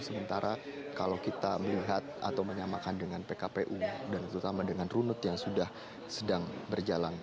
sementara kalau kita melihat atau menyamakan dengan pkpu dan terutama dengan runut yang sudah sedang berjalan